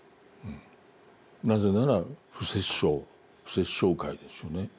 なぜなら不殺生不殺生戒ですよね。